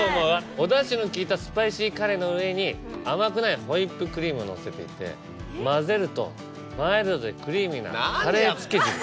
おダシの効いたスパイシーカレーの上に甘くないホイップクリームをのせていて混ぜるとマイルドでクリーミーなカレーつけ汁。